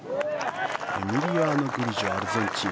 エミリアノ・グリジョアルゼンチン。